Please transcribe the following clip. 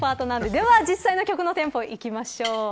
では実際の曲のテンポいきましょう。